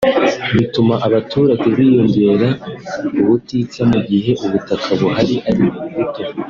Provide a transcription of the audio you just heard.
bituma abaturage biyongera ubutitsa mu gihe ubutaka buhari ari buto